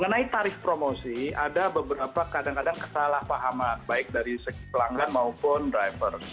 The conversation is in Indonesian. mengenai tarif promosi ada beberapa kadang kadang kesalahpahaman baik dari segi pelanggan maupun driver